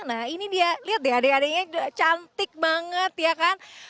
nah ini dia lihat deh adik adiknya cantik banget ya kan